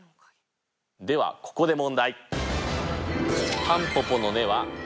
ではここで問題。